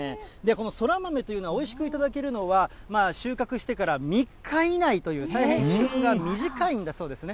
このそら豆というのは、おいしく頂けるのは、まあ、収穫してから３日以内という、大変旬が短いんだそうですね。